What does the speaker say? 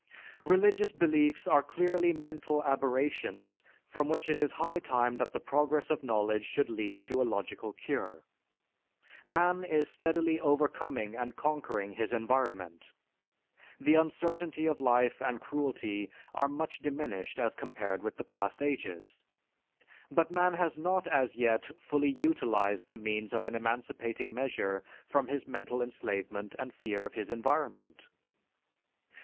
_") Religious beliefs are clearly mental aberrations from which it is high time that the progress of knowledge should lead to a logical cure. Man is steadily overcoming and conquering his environment; the uncertainty of life and cruelty are much diminished as compared with the past ages, but man has not as yet fully utilized the means of an emancipating measure from his mental enslavement and fear of his environment."